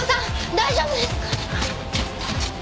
大丈夫ですか？